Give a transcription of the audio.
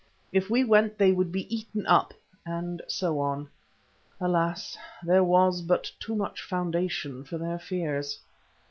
If we went they would be eaten up," and so on. Alas! there was but too much foundation for their fears.